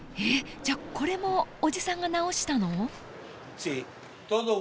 じゃあこれもおじさんが直したの？